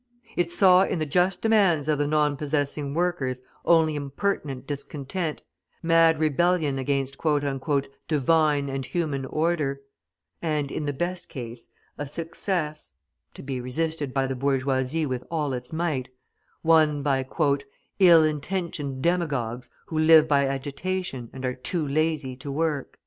It saw in the just demands of the non possessing workers only impertinent discontent, mad rebellion against "Divine and human order;" and, in the best case, a success (to be resisted by the bourgeoisie with all its might) won by "ill intentioned demagogues who live by agitation and are too lazy to work."